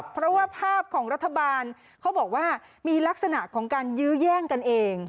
เพราะว่าภาพของรัฐบาลเขาบอกว่ามีลักษณะของการยื้อแย่งกันเอง